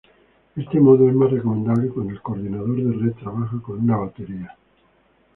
Este modo es más recomendable cuando el coordinador de red trabaja con una batería.